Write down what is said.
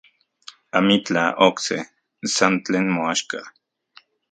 Amitlaj okse, san tlen moaxka.